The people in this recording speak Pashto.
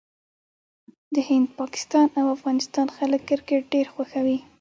د هند، پاکستان او افغانستان خلک کرکټ ډېر خوښوي.